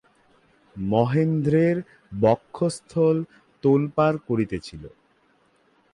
মহেন্দ্রের বক্ষঃস্থল তোলপাড় করিতেছিল।